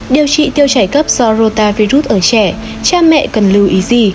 điều trị tiêu chảy cấp do rotavirus ở trẻ cha mẹ cần lưu ý gì